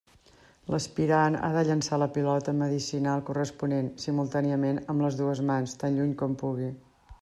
L'aspirant ha de llançar la pilota medicinal corresponent, simultàniament amb les dues mans, tan lluny com pugui.